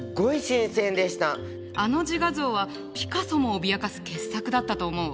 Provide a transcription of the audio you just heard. あの自画像はピカソも脅かす傑作だったと思うわ。